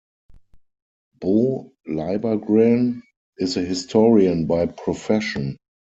Bo Libergren is a historian by profession.